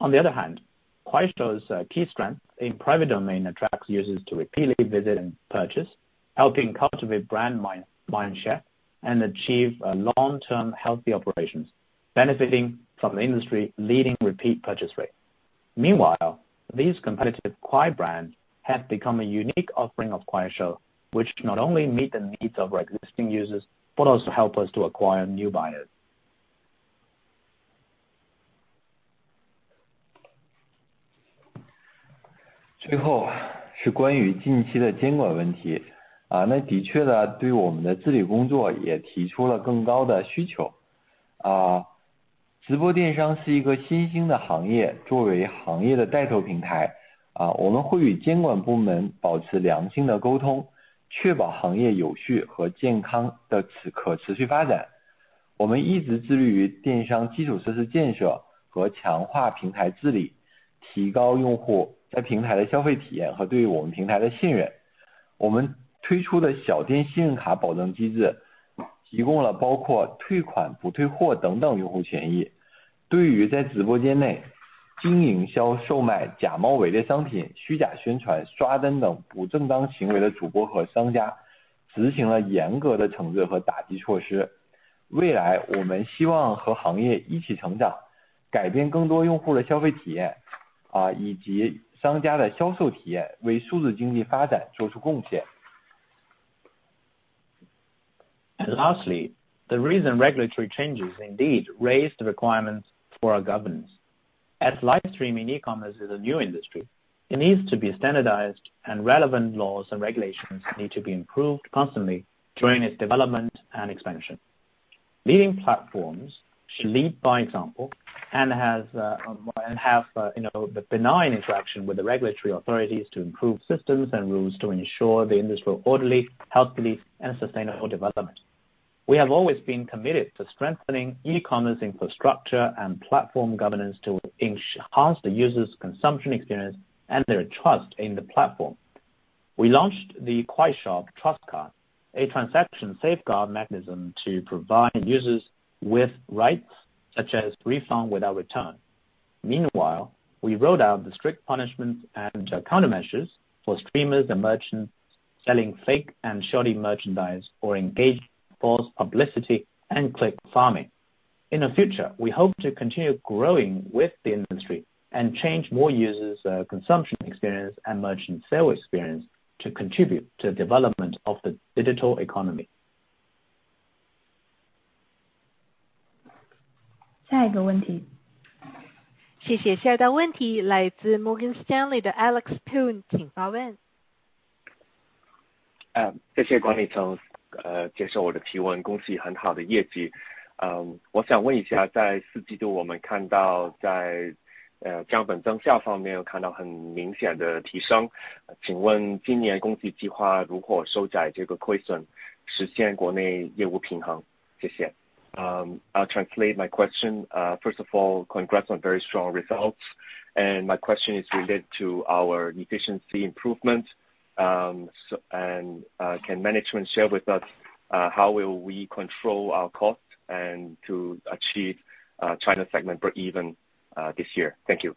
On the other hand, Kuaishou's key strength in private domain attracts users to repeatedly visit and purchase, helping cultivate brand mind share, and achieve long-term healthy operations, benefiting from industry-leading repeat purchase rate. Meanwhile, these competitive Kwai brands have become a unique offering of Kuaishou, which not only meet the needs of our existing users, but also help us to acquire new buyers. Lastly, the recent regulatory changes indeed raised the requirements for our governance. As live streaming e-commerce is a new industry, it needs to be standardized, and relevant laws and regulations need to be improved constantly during its development and expansion. Leading platforms should lead by example and have benign interaction with the regulatory authorities to improve systems and rules to ensure the industry orderly, healthily and sustainable development. We have always been committed to strengthening e-commerce infrastructure and platform governance to enhance the user's consumption experience and their trust in the platform. We launched the Kwai Shop Trust Card, a transaction safeguard mechanism to provide users with rights such as refund without return. Meanwhile, we rolled out the strict punishments and countermeasures for streamers and merchants selling fake and shoddy merchandise, or engage in false publicity and click farming. In the future, we hope to continue growing with the industry and change more users' consumption experience and merchant sale experience to contribute to the development of the digital economy. 下一个问题。谢谢。下一道问题来自Morgan Stanley的Alex Poon，请发问。谢谢管理层，接受我的提问，恭喜很好的业绩。我想问一下，在四季度我们看到降本增效方面有很明显的提升，请问今年公司计划如何收窄这个亏损，实现国内业务平衡？谢谢。I'll translate my question. First of all, congrats on very strong results. My question is related to our efficiency improvement. Can management share with us how will we control our cost and to achieve China segment breakeven this year? Thank you.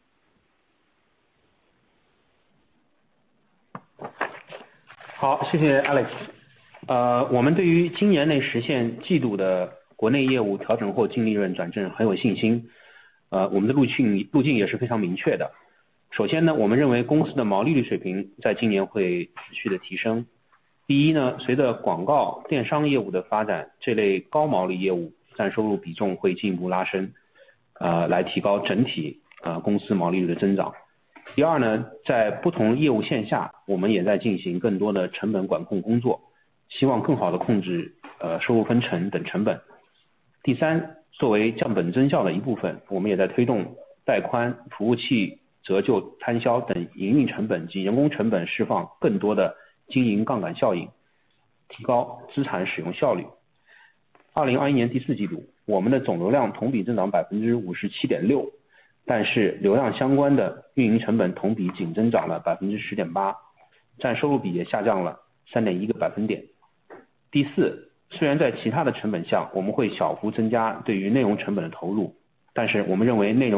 Thank you, Alex.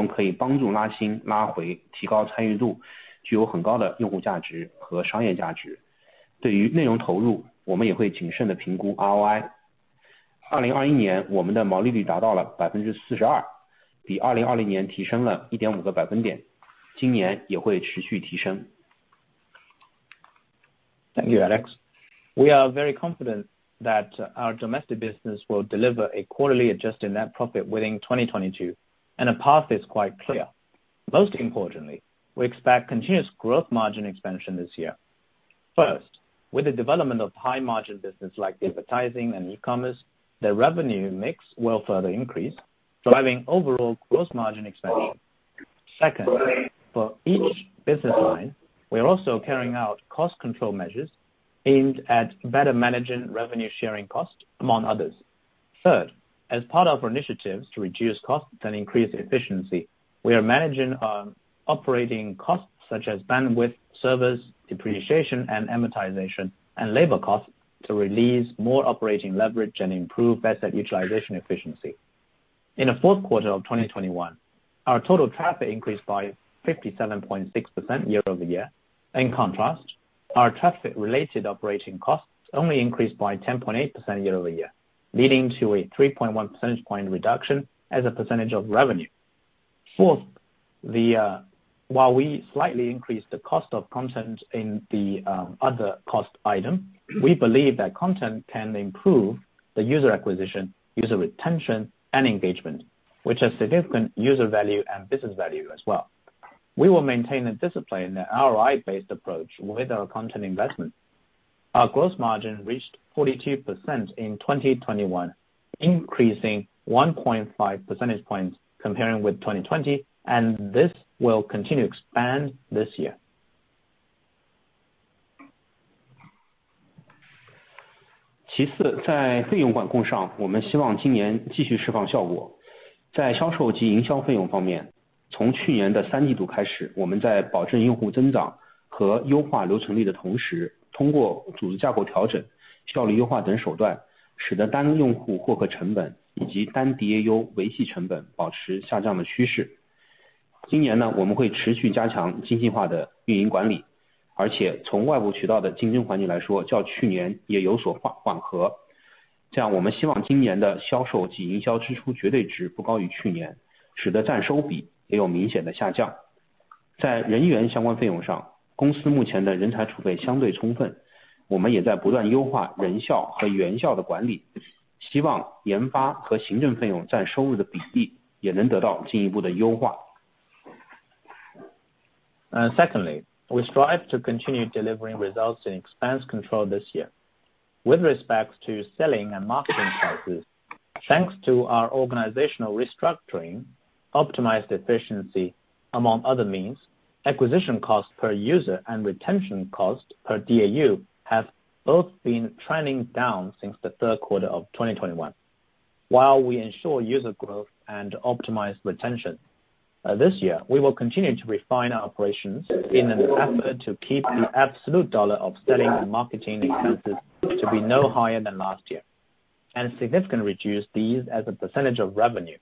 We are very confident that our domestic business will deliver a quarterly adjusted net profit within 2022, and the path is quite clear. Most importantly, we expect continuous gross margin expansion this year. First, with the development of high margin business like advertising and e-commerce, the revenue mix will further increase, driving overall gross margin expansion. Second, for each business line, we are also carrying out cost control measures aimed at better managing revenue sharing cost, among others. Third, as part of our initiatives to reduce costs and increase efficiency, we are managing our operating costs such as bandwidth, servers, depreciation and amortization, and labor costs to release more operating leverage and improve asset utilization efficiency. In the fourth quarter of 2021, our total traffic increased by 57.6% year-over-year. In contrast, our traffic related operating costs only increased by 10.8% year-over-year, leading to a 3.1 percentage point reduction as a percentage of revenue. Fourth, while we slightly increased the cost of content in the other cost item, we believe that content can improve the user acquisition, user retention, and engagement, which has significant user value and business value as well. We will maintain a discipline in the ROI based approach with our content investment. Our gross margin reached 42% in 2021, increasing 1.5 percentage points comparing with 2020, and this will continue to expand this year. Secondly, we strive to continue delivering results in expense control this year. With respect to selling and marketing expenses, thanks to our organizational restructuring, optimized efficiency, among other means, acquisition costs per user and retention cost per DAU have both been trending down since the third quarter of 2021, while we ensure user growth and optimize retention. This year, we will continue to refine our operations in an effort to keep the absolute dollar of selling and marketing expenses to be no higher than last year, and significantly reduce these as a percentage of revenue,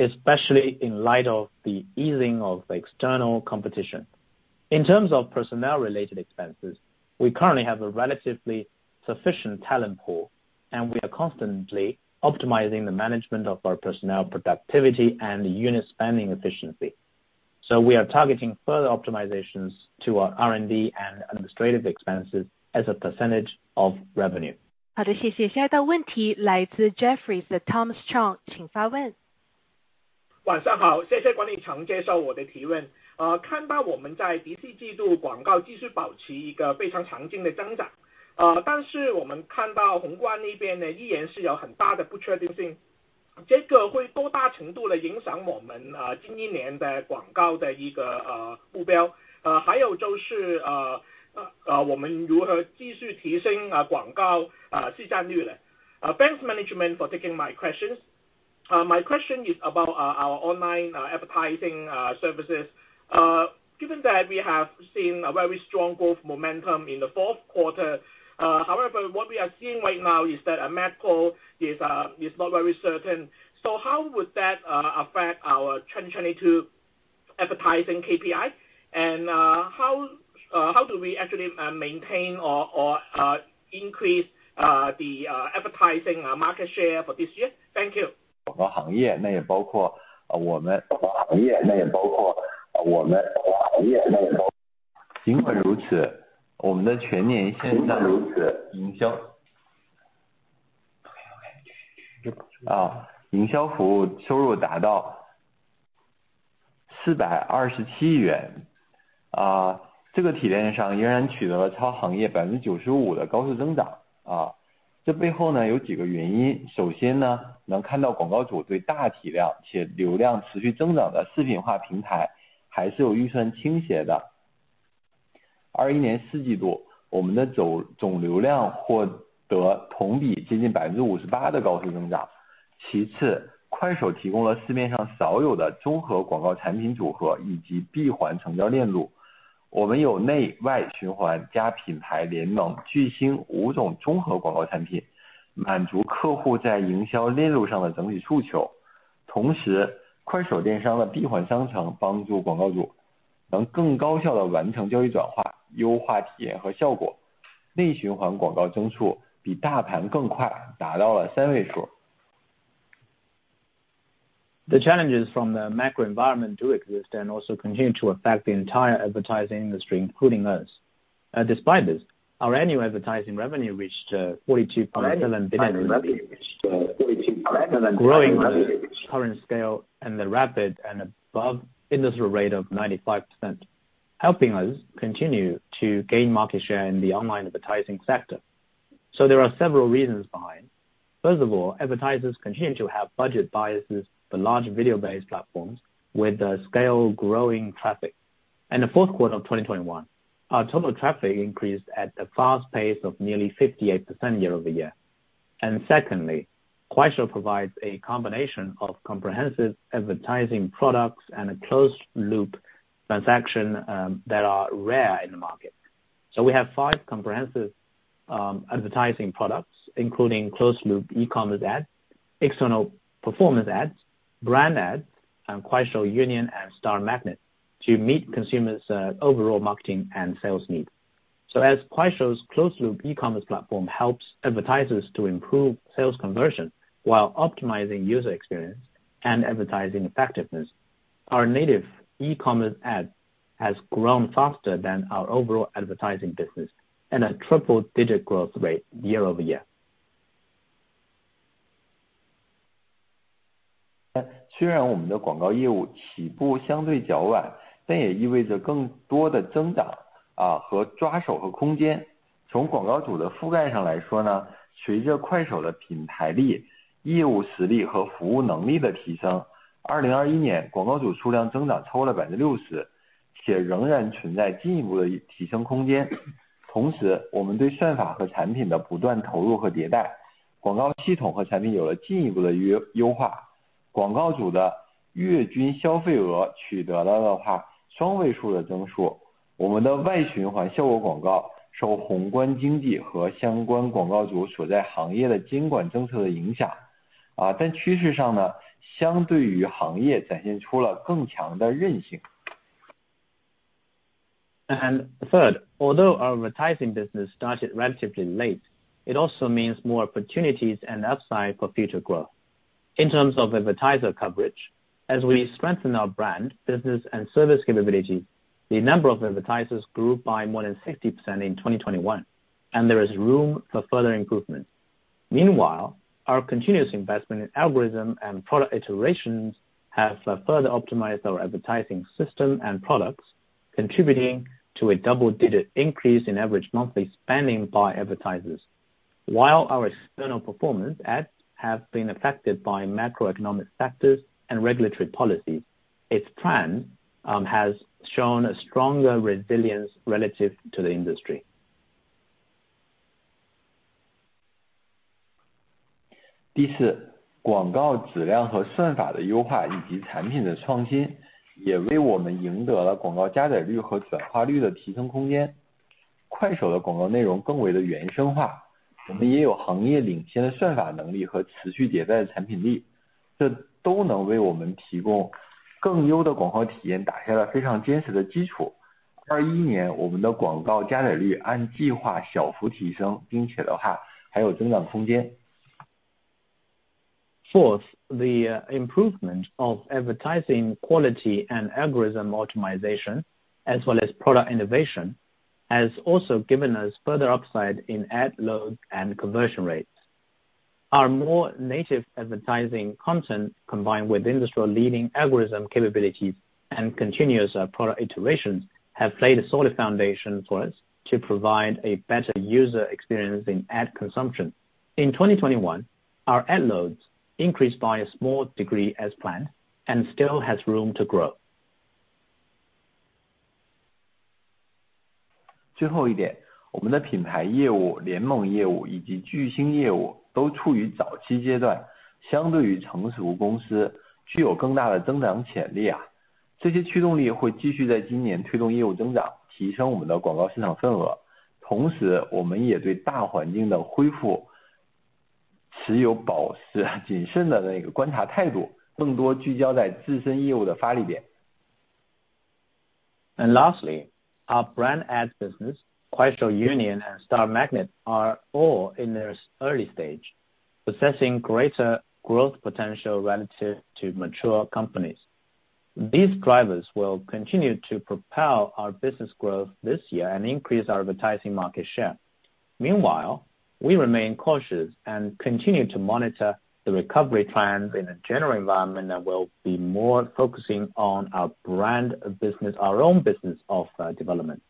especially in light of the easing of external competition. In terms of personnel related expenses, we currently have a relatively sufficient talent pool, and we are constantly optimizing the management of our personnel productivity and unit spending efficiency. We are targeting further optimizations to our R&D and administrative expenses as a percentage of revenue. 好的，谢谢。下一道问题来自 Jefferies 的 Thomas Chong，请发问。晚上好，谢谢管理层接受我的提问。看到我们在第四季度广告继续保持一个非常强劲的增长，但是我们看到宏观那边呢依然是有很大的不确定性，这个会多大程度地影响我们新一年的广告的目标。还有就是，我们如何继续提升广告市占率呢？ Thanks management for taking my question. My question is about our online advertising services. Given that we have seen a very strong growth momentum in the fourth quarter. However, what we are seeing right now is that a macro is not very certain. How would that affect our 2022 advertising KPI? How do we actually maintain or increase the advertising market share for this year? Thank you. The challenges from the macro environment do exist and also continue to affect the entire advertising industry, including us. Despite this, our annual advertising revenue reached 42.7 billion, growing at current scale and the rapid and above-industry rate of 95%, helping us continue to gain market share in the online advertising sector. There are several reasons behind. First of all, advertisers continue to have budget biases for large video-based platforms with scale, growing traffic. In the fourth quarter of 2021, our total traffic increased at a fast pace of nearly 58% year-over-year. Secondly, Kuaishou provides a combination of comprehensive advertising products and a closed loop transaction that are rare in the market. We have five comprehensive advertising products, including closed loop e-commerce ads, external performance ads, brand ads, and Kuaishou Union and Star Magnet, to meet consumers overall marketing and sales needs. As Kuaishou's closed loop e-commerce platform helps advertisers to improve sales conversion while optimizing user experience and advertising effectiveness. Our native e-commerce ad has grown faster than our overall advertising business at a triple digit growth rate year over year. Although our advertising business started relatively late, it also means more opportunities and upside for future growth. In terms of advertiser coverage, as we strengthen our brand, business and service capability, the number of advertisers grew by more than 60% in 2021, and there is room for further improvement. Meanwhile, our continuous investment in algorithm and product iterations have further optimized our advertising system and products, contributing to a double-digit increase in average monthly spending by advertisers. While our external performance ads have been affected by macroeconomic factors and regulatory policies, its trend has shown a stronger resilience relative to the industry。第四，广告质量和算法的优化以及产品的创新，也为我们赢得了广告加载率和转化率的提升空间。快手的广告内容更为的原生化，我们也有行业领先的算法能力和持续迭代的产品力，这都能为我们提供更优的广告体验，打下了非常坚实的基础。21年我们的广告加载率按计划小幅提升，并且的话还有增长空间。Fourth, the improvement of advertising quality and algorithm optimization, as well as product innovation, has also given us further upside in ad load and conversion rates. Our more native advertising content, combined with industry leading algorithm capabilities and continuous product iterations, have laid a solid foundation for us to provide a better user experience in ad consumption. In 2021, our ad loads increased by a small degree as planned and still has room to grow. 最后一点，我们的品牌业务、联盟业务以及巨星业务都处于早期阶段，相对于成熟公司具有更大的增长潜力啊。这些驱动力会继续在今年推动业务增长，提升我们的广告市场份额。同时我们也对大环境的恢复持有保持谨慎的那个观察态度，更多聚焦在自身业务的发力点。And lastly, our brand ads business, Kuaishou Union and Star Magnet are all in their early stage, possessing greater growth potential relative to mature companies. These drivers will continue to propel our business growth this year and increase our advertising market share. Meanwhile, we remain cautious and continue to monitor the recovery trends in the general environment that will be more focusing on our brand business, our own business of, development.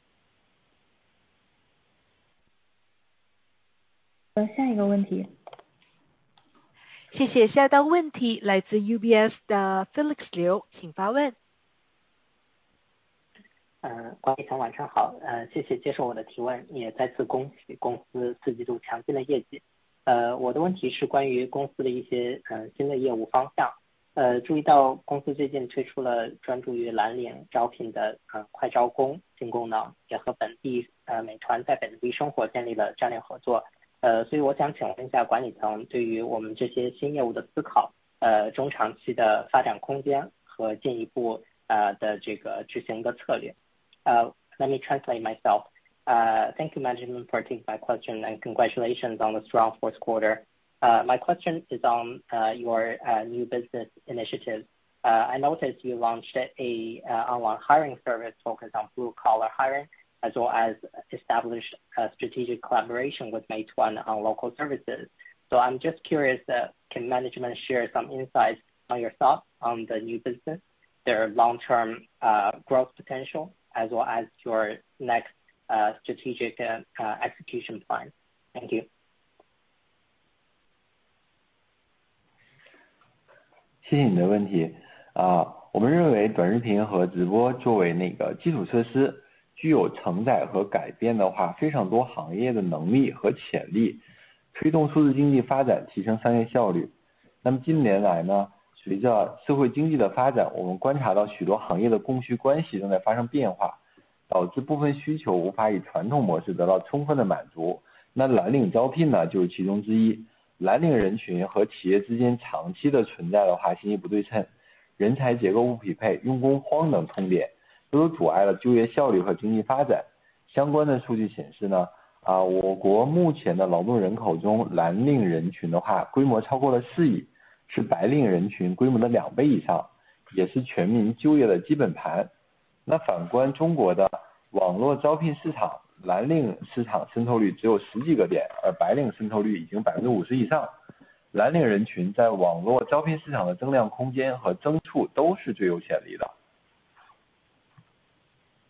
下一个问题。谢谢。下一道问题来自UBS的Felix Liu，请发问。郭一凡，晚上好，谢谢接受我的提问，也再次恭喜公司四季度强劲的业绩。我的问题是关于公司的一些新的业务方向。注意到公司最近推出了专注于蓝领招聘的快招工新功能，也和本地，美团在本地生活建立了战略合作。所以我想请问一下管理层对于我们这些新业务的思考，中长期的发展空间和进一步的这个执行的策略。Let me translate myself. Thank you management for taking my question and congratulations on the strong fourth quarter. My question is on your new business initiative. I noticed you launched an online hiring service focused on blue-collar hiring, as well as established a strategic collaboration with Meituan on local services. I'm just curious, can management share some insights on your thoughts on the new business, their long-term growth potential, as well as your next strategic and execution plan? Thank you.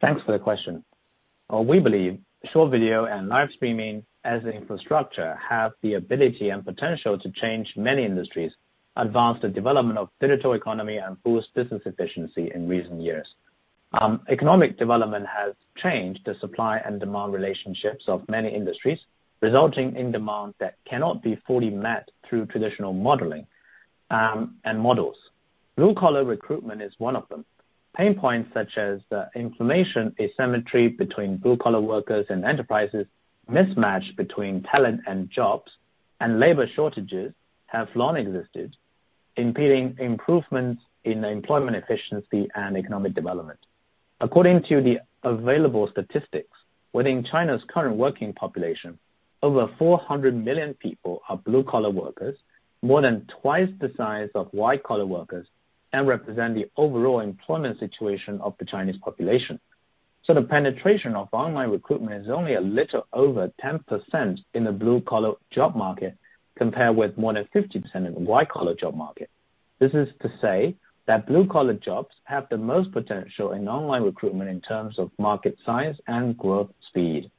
Thanks for the question. We believe short video and live streaming as infrastructure have the ability and potential to change many industries, advance the development of digital economy and boost business efficiency in recent years. Economic development has changed the supply and demand relationships of many industries, resulting in demand that cannot be fully met through traditional modeling, and models. Blue-collar recruitment is one of them. Pain points such as the information asymmetry between blue-collar workers and enterprises, mismatch between talent and jobs, and labor shortages have long existed, impeding improvements in employment efficiency and economic development. According to the available statistics, within China's current working population, over 400 million people are blue-collar workers, more than twice the size of white-collar workers, and represent the overall employment situation of the Chinese population. The penetration of online recruitment is only a little over 10% in the blue-collar job market, compared with more than 50% in the white-collar job market. This is to say that blue-collar jobs have the most potential in online recruitment in terms of market size and growth speed.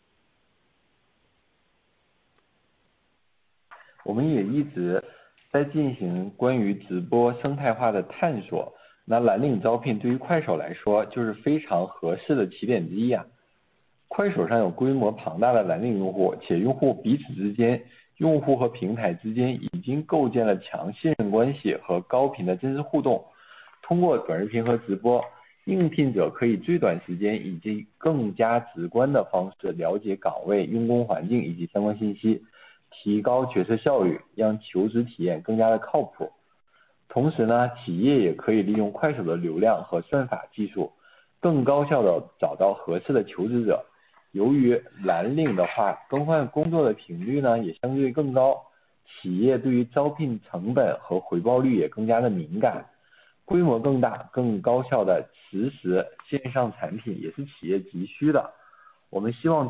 We have been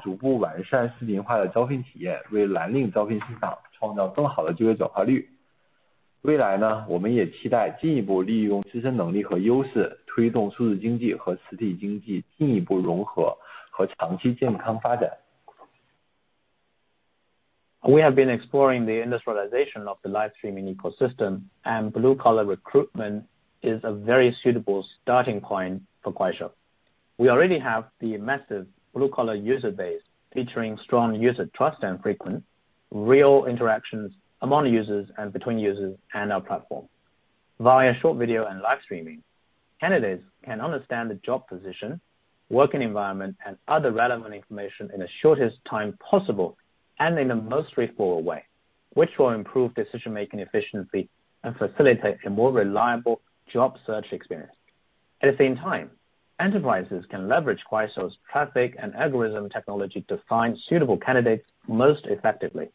exploring the industrialization of the live streaming ecosystem and blue-collar recruitment is a very suitable starting point for Kuaishou. We already have the massive blue-collar user base featuring strong user trust and frequent real interactions among users and between users and our platform. Via short video and live streaming, candidates can understand the job position, working environment, and other relevant information in the shortest time possible and in the most straightforward way, which will improve decision-making efficiency and facilitate a more reliable job search experience. At the same time, enterprises can leverage Kuaishou's traffic and algorithm technology to find suitable candidates most effectively.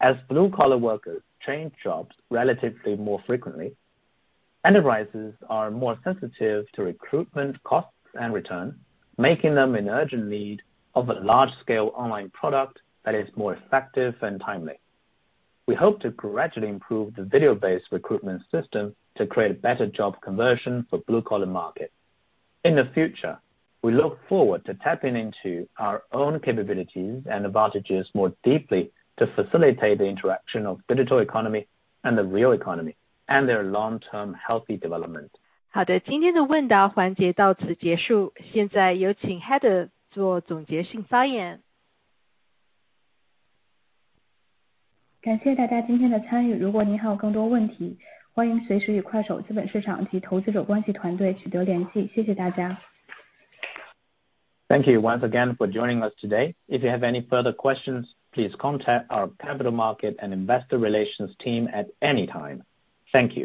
As blue-collar workers change jobs relatively more frequently, enterprises are more sensitive to recruitment costs and return, making them in urgent need of a large-scale online product that is more effective and timely. We hope to gradually improve the video-based recruitment system to create a better job conversion for blue-collar market. In the future, we look forward to tapping into our own capabilities and advantages more deeply to facilitate the interaction of digital economy and the real economy and their long-term healthy development. 好的，今天的问答环节到此结束。现在有请Heather做总结性发言。感谢大家今天的参与。如果您有更多问题，欢迎随时与快手资本市场及投资者关系团队取得联系。谢谢大家。Thank you once again for joining us today. If you have any further questions, please contact our capital market and investor relations team at any time. Thank you.